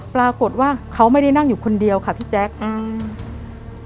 ปรากฏว่าเขาไม่ได้นั่งอยู่คนเดียวค่ะพี่แจ๊คอืม